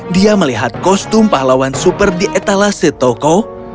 dia melihat kostum pahlawan super di etalase toko